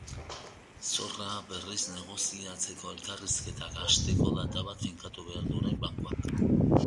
Zorra berriz negoziatzeko elkarrizketak hasteko data bat finkatu behar du orain bankuak.